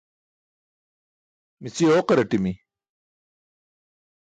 Mici ooqaraṭimi.